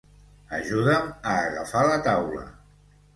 Ajuda'm a agafar la taula